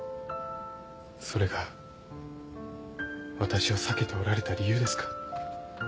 それがわたしを避けておられた理由ですか。